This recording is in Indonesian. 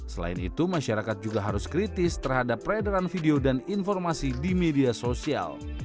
selain itu masyarakat juga harus kritis terhadap peredaran video dan informasi di media sosial